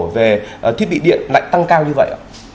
về thiết bị điện lại tăng cao như vậy